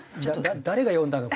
誰が呼んだの？